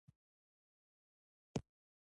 پرېکړه وشوه چې چای به چیرې خورو.